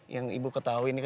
yang ibu ketahui